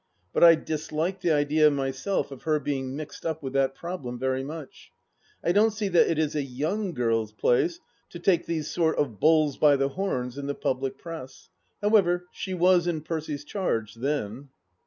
But I disliked the idea myself of her being mixed up with that problem very much. I don't see that it is a young girl's place to take these sort of bulls by the horns in the public press. However, she was in Percy's charge, then